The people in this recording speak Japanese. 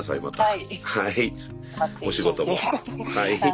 はい。